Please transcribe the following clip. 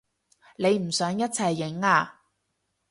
你唔想一齊影啊？